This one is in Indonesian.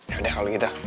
yaudah kalau gitu